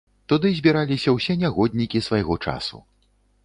Туды збіраліся ўсе нягоднікі свайго часу.